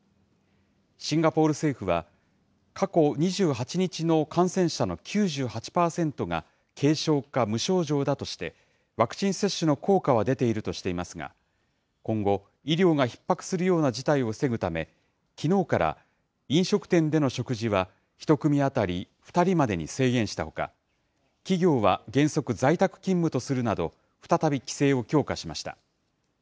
シンガポール政府は、過去２８日の感染者の９８％が軽症か無症状だとして、ワクチン接種の効果は出ているとしていますが、今後、医療がひっ迫するような事態を防ぐため、きのうから、飲食店での食事は１組当たり２人までに制限したほか、企業は原則在宅勤務とするなど、再び規制を強化しました。